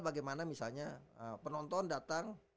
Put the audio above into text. bagaimana misalnya penonton datang